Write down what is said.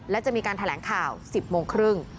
และจะมีการแถลงข่าว๑๐๓๐น